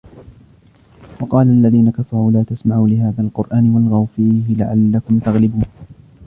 وقال الذين كفروا لا تسمعوا لهذا القرآن والغوا فيه لعلكم تغلبون